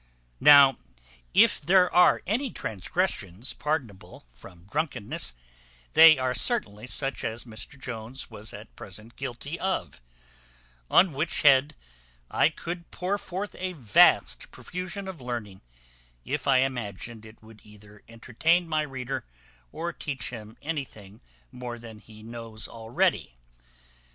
Now, if there are any transgressions pardonable from drunkenness, they are certainly such as Mr Jones was at present guilty of; on which head I could pour forth a vast profusion of learning, if I imagined it would either entertain my reader, or teach him anything more than he knows already.